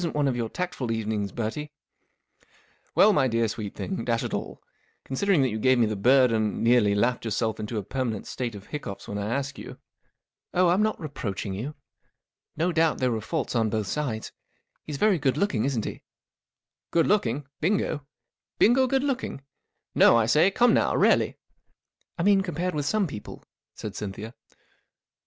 This isn't one of your tactful evenings, Bertie/' " Well, mv dear sweet thing, dash it all* considering that you gave me the bird and nearly laughed yourself into a permanent state of hiccoughs when I asked you "" Oh, I'm nWt/ reproaching you. No UNIVERSITY OF MICHIGAN The Great Sermon Handicap 482 doubt there were faults on both sides. He's very good looking, isn't he ?" 41 Good looking ? Bingo ? Bingo good looking ? No, I say, come now, really !" 44 I mean, compared with some people," said Cynthia.